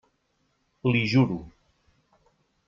L'hi juro!